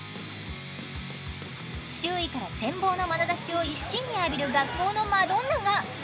周囲から羨望のまなざしを一身に浴びる学校のマドンナが。